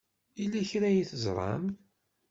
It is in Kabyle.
Yella kra ay teẓram?